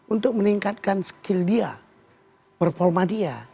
untuk meningkatkan skill dia performa dia